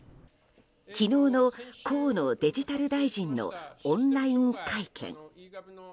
昨日の、河野デジタル大臣のオンライン会見。